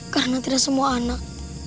karena tidak semua anak